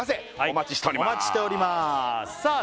お待ちしておりますさあ